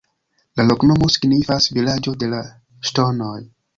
La loknomo signifas: "Vilaĝo de la Ŝtonoj".